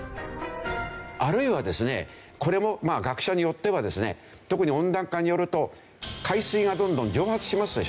あるいはですねこれも学者によってはですね特に温暖化によると海水がどんどん蒸発しますでしょ。